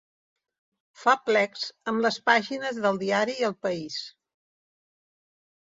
Fa plecs amb les pàgines del diari El País.